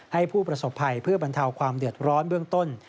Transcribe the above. ให้ผู้ประสบภัยเพื่อบรรเทาความเดือดร้อนเบื้องต้น